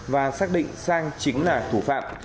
và xác định sang chính là thủ phạm